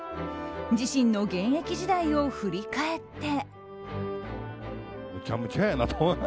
自身の現役時代を振り返って。